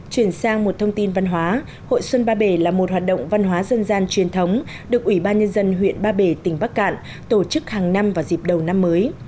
chuyển sang một thông tin văn hóa hội xuân ba bể là một hoạt động văn hóa dân gian truyền thống được ủy ban nhân dân huyện ba bể tỉnh bắc cạn tổ chức hàng năm vào dịp đầu năm mới